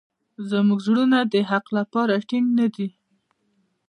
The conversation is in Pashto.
زموږ زړونه د حق لپاره ټینګ نه دي.